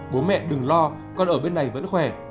bố mẹ đừng lo con ở bên này vẫn khỏe